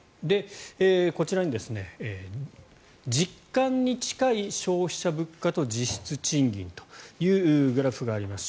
こちらに実感に近い消費者物価と実質賃金というグラフがあります。